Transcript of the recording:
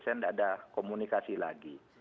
saya tidak ada komunikasi lagi